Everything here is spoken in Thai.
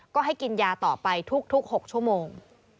ก็ให้กินยาต่อไปทุก๖ชั่วโมง